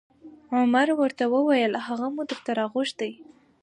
عمر ورته وویل: هغه مو درته راغوښتی